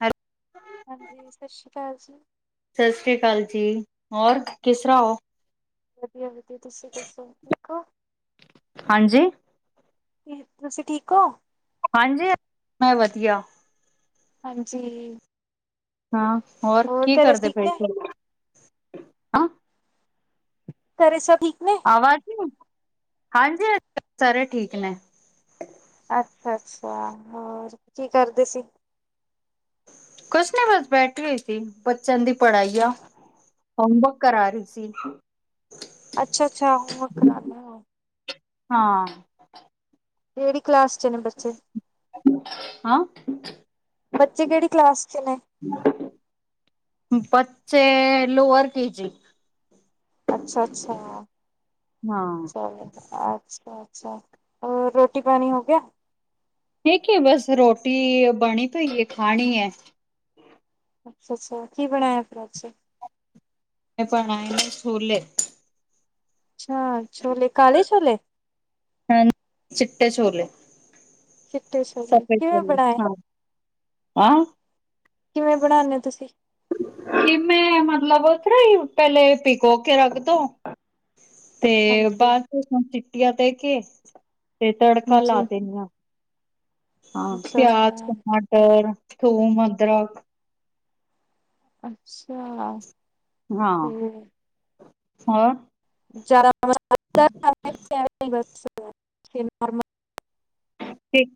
ਹ [inaudible] ਹਾਂਜੀ। ਸਤਿ ਸ਼੍ਰੀ ਅਕਾਲ ਜੀ। ਸਤਿ ਸ੍ਰੀ ਅਕਾਲ ਜੀ। ਹੋਰ ਕਿਸ ਤਰ੍ਹਾਂ ਹੋ? ਵਧੀਆ-ਵਧੀਆ। ਤੁਸੀਂ ਦੱਸੋ ਠੀਕ ਓ? ਹਾਂਜੀ। ਤੁਸੀਂ ਠੀਕ ਓ? ਹਾਂਜੀ, ਮੈਂ ਵਧੀਆ। ਹਾਂਜੀ। ਹਾਂ‌। ਹੋਰ ਕੀ ਘਰੇ ਕਰਦੇ ਠੀਕ ਪਏੇਂ ਨੇ ਸੀ? ਘਰੇ ਸਭ ਠੀਕ ਨੇ। ਆਵਾਜ਼ ਨੀਂ ਆਈ। ਹਾਂਜੀ, [inaudible] ਸਾਰੇ ਠੀਕ ਨੇ। ਅੱਛਾ ਅੱਛਾ, ਹੋਰ ਕੀ ਕਰਦੇ ਸੀ? ਕੁਛ ਨੀਂ ਬਸ, ਬੈਠੀ ਹੋਈ ਸੀ। ਬੱਚਿਆਂ ਦੀ ਪੜ੍ਹਾਈਆਂ। ਹੋਮਵਰਕ ਕਰਾ ਰੀ ਸੀ। ਅੱਛਾ ਅੱਛਾ, ਹੋਮਵਰਕ ਕਰਾਨੇਂ ਐਂ। ਹਾਂ। ਕੇੜੀ ਕਲਾਸ ਚ ਨੇ ਬੱਚੇ ਹਾਂ? ਬੱਚੇ ਕੇੜੀ ਕਲਾਸ ਚ ਨੇ। ਬੱਚੇ ਲੋਅਰ ਕੇ ਜੀ। ਅੱਛਾ, ਅੱਛਾ ਹਾਂ ਚਲੋ ਫਿਰ। ਅੱਛਾ, ਅੱਛਾ, ਹੋਰ ਰੋਟੀ-ਪਾਣੀ ਹੋ ਗਿਆ। ਠੀਕ ਐ ਬਸ, ਰੋਟੀ ਬਣੀ ਪਈ ਐ, ਖਾਣੀ ਐ। ਅੱਛਾ-ਅੱਛਾ, ਕੀ ਬਣਾਇਆ ਫਿਰ ਅਜ। ਬਣਾਏ ਨੇਂ ਛੋਲੇ ਅੱਛਾ, ਛੋਲੇ ਕਾਲੇ ਛੋਲੇ [inaudible] ਚਿੱਟੇ ਛੋਲੇ। ਚਿੱਟੇ ਛੋਲੇ, ਕਿਵੇਂ ਬਣਾਏ? ਹੈਂ? ਕਿਵੇਂ ਬਣਾਉਣੇ ਓ ਤੁਸੀਂ। ਕਿਵੇਂ, ਮਤਲਬ [unintelligible] ਪੈਲੇ ਭਿਗੋ ਕੇ ਰੱਖਦੋ। ਤੇ ਹਾਂਜੀ ਬਾਅਦ ਚੋਂ [unintelligible] ਸੀਟੀਆਂ ਦੇ ਕੇ ਤੇ ਤੜਕਾ ਲਾ ਹਾਂਜੀ ਦੇਣੀ ਆਂ। ਹਾਂ, ਪਿਆਜ, ਅੱਛਾ-ਅੱਛਾ, ਟਮਾਟਰ, ਥੂਮ, ਅਦਰਕ। ਅੱਛਾ। ਹਾਂ, ਫੇਰ ਹੋਰ? [inaudible] ਠੀਕ,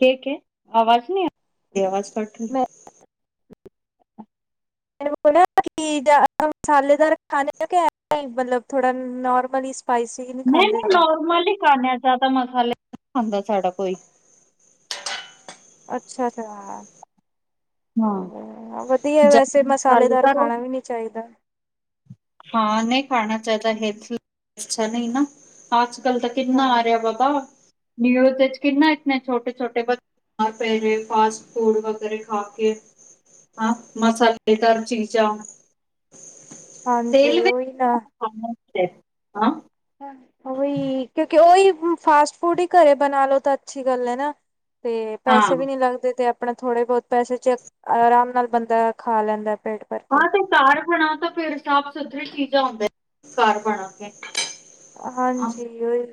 ਠੀਕ ਏ, ਆਵਾਜ਼ ਨਈਂ ਆ, ਆਵਾਜ਼ ਕਟ ਰੀ [inaudible] [unintelligible] ਮਸਾਲੇਦਾਰ ਖਾਣੇ ਆ ਕੇ ਏਵੇਂ ਈ ਮਤਲਬ ਥੋੜ੍ਹਾ ਨੋਰਮਲੀ ਸਪਾਈਸ ਨਈਂ, ਨਈਂ ਨੋਰਮਲੀ ਈ ਖਾਂਣੇ ਆਂ, ਜ਼ਿਆਦਾ ਮਸਾਲੇ ਖਾਂਦਾ ਸਾਡਾ ਕੋਈ ਅੱਛਾ, ਜਾ ਹਂ, ਵਧੀਆ ਵੈਸੇ ਮਸਾਲੇਦਾਰ ਖਾਣਾ ਵੀ ਨੀਂ ਚਾਈਦਾ। ਹਾਂ ਨਈਂ ਖਾਣਾ ਚਾਈਦਾ। ਹੈਲਥ ਲਈ ਅੱਛਾ ਨਈਂ ਨਾਂ। ਅੱਜ-ਕਲ ਤਾਂ ਕਿੰਨਾ ਹਾਂ, ਆ ਰਿਆ ਬਾਬਾ, ਨਿਊਜ਼ ਦੇਚ ਕਿੰਨਾ ਇਤਨੇ ਛੋਟੇ-ਛੋਟੇ ਬੱਚ ਦੁਪਹਿਰੇ ਫਾਸਟ ਫੂਡ ਵਗੈਰਾ ਖਾ ਕੇ ਹਾਂ ਮਸਾਲੇਦਾਰ ਚੀਜ਼ਾਂ। ਤੇਲ ਹਾਂਜੀ ਵਿੱਚ ਓਈ ਨਾਂ ਹਾਂ। ਹੈ ਉਈ, ਕਿਉਂਕਿ ਓਈ ਫਾਸਟ ਫੂਡ ਈ ਘਰੇ ਬਣਾ ਲੋ ਤਾਂ ਅੱਛੀ ਗੱਲ ਐ ਨਾਂ। ਤੇ ਹਾਂ ਪੈਸੇ ਵੀ ਨੀਂ ਲੱਗਦੇ ਤੇ ਅਪ ਆਪਣਾ ਥੋੜੇ ਬੋਤ ਪੈਸੇ ਚ, ਆਰਾਮ ਨਾਲ ਬੰਦਾ ਖਾ ਲੈਂਦਾ ਪੇਟ ਭਰ ਕੇ। ਹਾਂ ਤੇ ਘਰ ਬਣਾਓ ਤਾਂ ਫੇਰ ਸਾਫ਼ ਸੁਥਰੀ ਚੀਜ਼ਾਂ ਔਂਦਾ ਘਰ ਬਣਾ ਕੇ। ਹਾਂਜੀ ਓਈ।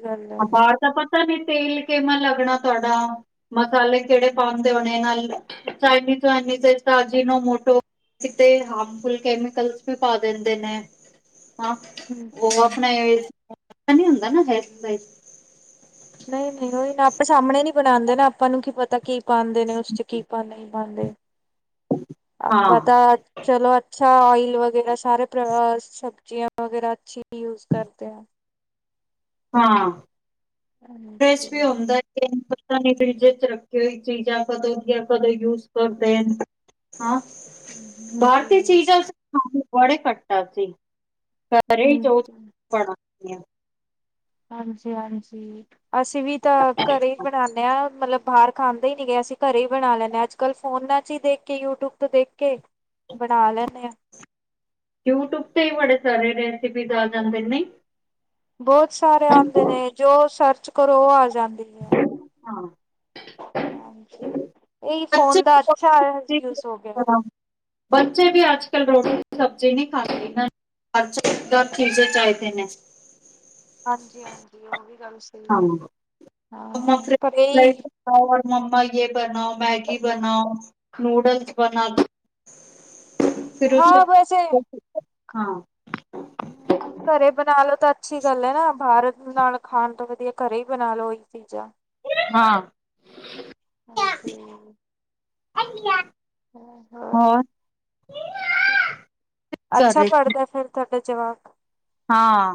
ਬਾਹ ਤਾਂ ਪਤਾ ਨੀ ਤੇਲ ਕਿਵਾਂ ਲੱਗਣਾ ਤੁਹਾਡਾ ਮਸਾਲੇ ਕਿਹੜੇ ਪਾਉਣਦੇ ਹੋਣੇ ਇਹ ਨਾਲ ਸਾਡੀ ਚਾਈਨੀਜ਼ ਚਨੀ ਤਾਜ਼ੀ ਅਜੀਨੋਮੋਟੋ ਕਿਤੇ ਹਾਰਮਫੁਲ ਕੈਮੀਕਲਸ ਵੀ ਪਾ ਦਿੰਦੇ ਨੇ ਹਾਂ ਬਹੁਤ ਨੇ ਆਪਣਾ ਨੀ ਹੁੰਦਾ ਨਾ ਨਹੀਂ -ਨਹੀਂ ਉਹੀ ਨਾ ਆਪਣੇ ਸਾਹਮਣੇ ਨੀ ਬਣਾਉਂਦੇ ਨਾ ਆਪਾਂ ਨੂੰ ਕੀ ਪਤਾ ਕੀ ਪਾਉਂਦੇ ਨੇ ਉਸ ਚ ਕੀ ਪ ਨਹੀਂ ਹਾਂ ਆਪਾਂ ਤਾਂ ਚਲੋ ਅੱਛਾ ਆਇਲ ਵਗੈਰਾ ਸਾਰੇ ਸਬਜ਼ੀਆਂ ਵਗੈਰਾ ਅੱਛੀ ਯੂਜ ਕਰਦੇ ਆ ਹਾਂ ਏਸ ਵੀ ਹਾਂਜੀ। ਹੁੰਦਾ ਤਾ ਫਰਿਜ ਚ ਰੱਖੀ ਹੋਈ ਚੀਜ਼ਾਂ ਜਿਆਦਾ ਦੇਰ ਨਹੀਂ ਆਪਾ ਯੂਜ ਕਰਦੇ ਹਾਂ ਹਮ ਬਾਹਰ ਦੀ ਚੀਜਾਂ ਚ ਬੜੇ ਘਟਾ ਸੀ ਘਰੇ ਉਹ ਹਮ ਬ [unintelligible] ਹਾਂਜੀ ਹਾਂਜੀ ਅਸੀਂ ਵੀ ਤਾਂ ਘਰੇ ਬਣਾਉਦੇ ਹਾਂ ਮਤਲਬ ਬਾਹਰ ਖਾਂਦੇ ਹੀ ਨਹੀਂ ਅਸੀਂ ਘਰੇ ਹੀ ਬਣਾ ਲੈਂਦੇ ਹਾਂ ਅੱਜ ਕੱਲ੍ਹ ਫੋਨਾਂ ਚ ਹੀ ਦੇਖ ਕੇ, ਯੂਟਿਊਬ ਤੋਂ ਦੇਖ ਕੇ। ਬਣਾ ਲੈਂਨੇ ਆ ਯੂਟਿਊਬ ਤੇ ਹੀ ਬੜੇ ਸਾਰੇ ਰੈਸਪੀਜ਼ ਆ ਜਾਂਦੇ ਨੇ ਨਈ ਬਹੁਤ ਸਾਰੇ ਆਉਂਦੇ ਨੇ ਜੋ ਸਰਚ ਕਰੋ ਉਹ ਆ ਜਾਂਦੀ ਏ ਹਾਂ ਹਾਂਜੀ ਇਹੀ ਬੱਚੇ ਫੋਨ ਦਾ ਅੱਛਾ ਯੂਜ ਹੋ ਗਿਆ। ਬੱਚੇ ਵੀ ਅੱਜ ਕੱਲ੍ਹ ਰੋਟੀ, ਸਬਜ਼ੀ ਨਹੀਂ ਖਾਂਦੇ ਹਨ ਅਜ ਕਲ ਚੀਜੇ ਚਾਹੀਦੇ ਨੇ। ਹਾਂਜੀ ਹਾਂਜੀ ਉਹ ਵੀ ਗੱਲ ਸੀ ਹਾਂ [unintelligible] ਇਹੀ ਹੋਰ ਮੰਮਾ ਯੇ ਬਣਾਓ, ਮੈਗੀ ਬਣਾਓ, ਨੂਡਲਸ ਬਣਾ ਦੇ ਫਿਰ ਉ ਚ ਹਾਂ ਵੈਸੇ ਹਾਂ ਹੂੰ ਘਰੇ ਬਣਾ ਲੋ ਤਾਂ ਅੱਛੀ ਗੱਲ ਹੈ ਨਾ ਬਾਹਰ ਨਾਲ ਖਾਣ ਤੋਂ ਵਧੀਆ ਘਰੇ ਹੀ ਬਣਾ ਲਓ ਚੀਜ਼ਾਂ ਹਾਂ ਹਾਂਜੀ ਅੱਛਾ ਹੋਰ ਕਰ ਅੱਛਾ ਰਹੇ ਪੜ੍ਹਦਾ ਫਿਰ ਤੁਹਾਡਾ ਜਵਾਕ ਹਾਂ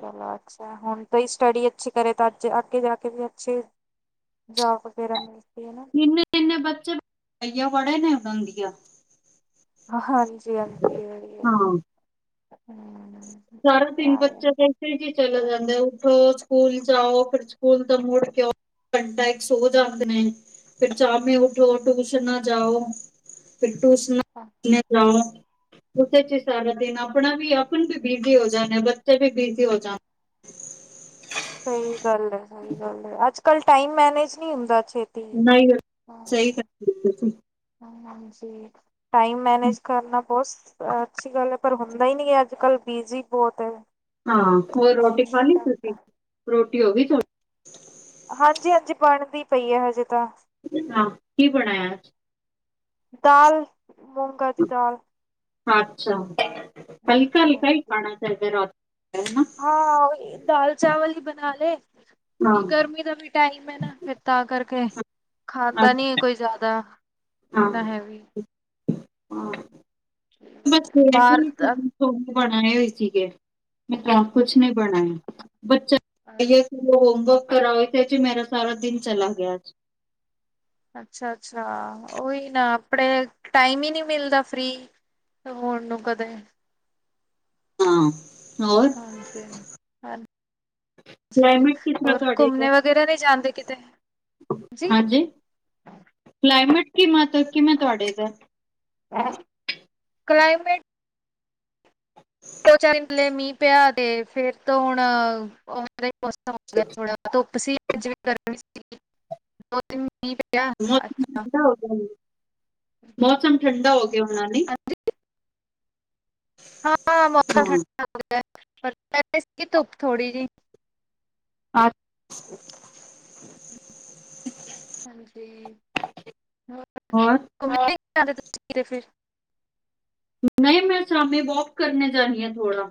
ਚਲੋ ਅੱਛਾ ਹੁਣ ਤੋਂ ਹੀ ਸਟੱਡੀ ਅੱਛੀ ਕਰੇ ਤਾਂ ਅੱਜ ਅੱਗੇ ਜਾ ਕੇ ਵੀ ਅੱਛੀ ਜੋਬ ਵਗੈਰਾ ਮਿਲਦੀ ਹੈ ਨਾ ਕਿੰਨੇ ਕਿੰਨੇ ਬੱਚੇ ਵੜੇ ਨਹੀਂ ਉਡਾਦੀਆ ਹਾਂਜੀ ਹਾਂਜੀ ਉਹੀ ਏ ਹਾਂ ਸਾਰਾ ਦਿਨ ਬੱਚੇ ਦੇ ਰੂਟੀਨ ਹੀ ਚਲੇ ਜਾਂਦੇ ਉਠੋ ਸਕੂਲ ਜਾਓ ਫਿਰ ਸਕੂਲ ਤੋ ਮੁੜ ਕੇ ਆਓ ਘੰਟਾ ਇੱਕ ਸੋ ਜਾਂਦੇ ਨੇ ਫਿਰ ਸ਼ਾਮੀ ਉੱਠੋ ਟਊਸ਼ਨਾ ਜਾਓ ਫਿਰ ਟੀਸ਼ਨਾ ਲੈ ਜਾਓ ਉਹਦੇ ਚ ਸਾਰਾ ਦਿਨ ਆਪਣਾ ਵੀ ਆਪ ਵੀ ਬਿਜ਼ੀ ਹੋ ਜਾਣੇ ਬੱਚੇ ਵੀ ਬਿਜ਼ੀ ਹੋ ਜਾਣ ਸਹੀ ਗੱਲ ਹੈ ਸਹੀ ਗੱਲ ਹੈ ਅੱਜ ਕੱਲ ਟਾਈਮ ਮੈਨੇਜ ਨਹੀਂ ਹੁੰਦਾ ਛੇ ਨਹੀਂ ਸਹੀ [inaudible] ਹ ਹਾਂਜੀ ਟਾਈਮ ਮੈਨੇਜ ਕਰਨਾ ਬਹੁਤ ਅੱਛੀ ਗੱਲ ਹੈ ਪਰ ਹੁੰਦਾ ਹੀ ਨਹੀਂ ਹੈ ਅੱਜ ਕੱਲ੍ਹ ਬਿਜੀ ਬਹੁਤ ਹੈ ਹਾਂ ਹੋਰ ਟਾਈਮ ਰੋਟੀ ਨਹੀਂ ਖਾਲੀ ਤੁਸੀਂ ਲੱਗਦਾ ਰੋਟੀ ਹੋ ਗਈ ਤੁਹਾਡੀ ਹਾਂਜੀ ਹਾਂਜੀ ਬਣਦੀ ਪਈ ਹੈ ਹਜੇ ਤਾਂ ਹਾਂ ਕੀ ਬਣਾਇਆ ਅੱਜ ਦਾਲ ਮੂੰਗਾ ਦੀ ਦਾਲ ਅੱਛਾ ਹਲਕਾ ਹਾਂਜੀ ਹਲਕਾ ਹੀ ਹਾਂਜੀ ਖਾਣਾ ਚਾਹੀਦਾ ਰਾਤ ਨੂੰ ਹਾਂ ਦਾਲ ਚਾਵਲ ਹੀ ਬਣਾ ਲੇ ਗਰਮੀ ਦਾ ਵੀ ਟਾਈਮ ਹੈ ਨਾ ਫੇਰ ਤਾਂ ਕਰਕੇ ਖਾਂਦਾ ਨੀ ਹੈ ਕੋਈ ਜ਼ਿਆਦਾ। ਹਾਂ ਇੰਨਾ ਹੈਵੀ ਹਾਂ [unintelligible] ਬਾਹਰ ਦਾ [unintelligible] ਬਣਏ ਹੋਏ ਸੀਗੇ ਮੈਂ ਤਾਂ ਕੁਛ ਨੀ ਬਣਾਇਆ ਬੱਚਾ ਹੋਮਵਰਕ ਕਰਾਓਣ ਵਿਚ ਮੇਰਾ ਸਾਰਾ ਦਿਨ ਚਲਾ ਗਿਆ ਅੱਜ। ਅੱਛਾ ਅੱਛਾ ਓਹੀ ਨਾ ਆਪਣੇ ਟਾਈਮ ਹੀ ਨਹੀਂ ਮਿਲਦਾ ਫਰੀ ਹੋਣ ਨੂੰ ਕਦੇ। ਹਾਂ। ਹੋਰ ਹਾਂਜੀ ਹਾਂਜੀ ਕਲਾਈਮੇਟ ਕਿਸ ਤਰ੍ਹਾਂ ਹੋਰ ਤੁਹਾਡੇ ਦਾ ਘੁੰਮਣੇ ਵਾਸਤੇ ਵੀਰੇ ਨਹੀਂ ਜਾਂਦੇ ਕਿਤੇ? ਜੀ ਹਾਂਜੀ ਕਲਾਈਮੇਟ ਕੀ ਮਾਤਰਾ ਕਿਵੇਂ ਤੁਹਾਡੇ ਇਧਰ? ਕਲਾਈਮੇਟ ਦੋ [unintelligible] ਮੀਂਹ ਪਿਆ ਤੇ ਫੇਰ ਤੋਂ ਹੁਣ ਉਦਾ ਦਾ ਹੋ ਗਿਆ ਥੋੜਾ ਧੁੱਪ ਸੀ [unintelligible] ਗਰਮੀ ਸੀ ਦੋ ਦਿਨ ਮੀਂਹ ਪਿਆ ਮੌਸਮ ਅੱਛਾ ਠੰਡਾ ਹੋ ਗਿਆ ਮੌਸਮ ਠੰਡਾ ਹੋ ਗਿਆ ਹੋਣਾ ਨੀ। ਹਾਂ ਮੌਸਮ ਹਾਂ ਠੰਡਾ ਹੋ ਗਿਆ ਪਰ ਨਿਕਲੀ ਸੀ ਧੁੱਪ ਥੋੜੀ ਜਿਹੀ। [unintelligible] ਹਾਂਜੀ ਹੋਰ [unintelligible] ਨਹੀਂ ਮੈ ਸ਼ਾਮੀ ਵੋਕ ਕਰਨੇ ਜਾਨੀ ਆ ਥੋੜ੍ਹਾ।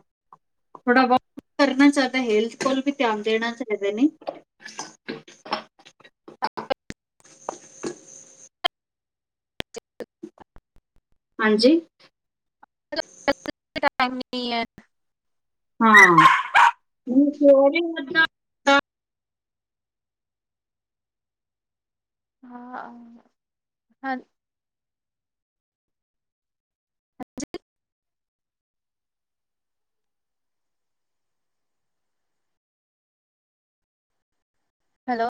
ਥੋੜਾ ਬਹੁਤ ਕਰਨਾ ਚਾਹੀਦਾ ਹੈਲਥ ਕੋਲ ਵੀ ਧਿਆਨ ਦੇਣਾ ਚਾਹੀਦਾ ਨੀ? ਹਾਂਜੀ? [unintelligible] ਟਾਈਮ ਨਹੀਂ ਹੈ। ਹਾਂ [unintelligible] ਹਾਂ ਹਾਂ ਹੈਲੋ?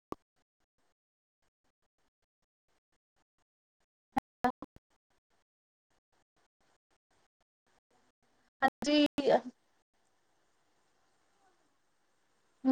ਹਾਂਜੀ ਆ।